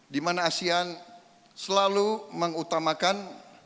dimana asean selalu mengutamakan